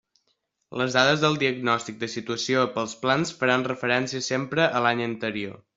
Les dades del diagnòstic de situació pels plans faran referència sempre a l'any anterior.